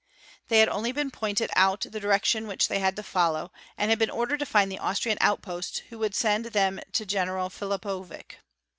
They had only been pointed out the direction which they had to | follow and been ordered to find the Austrian outposts who would send | them to General Philippovic.